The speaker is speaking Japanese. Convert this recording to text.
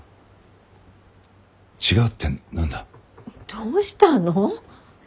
どうしたの？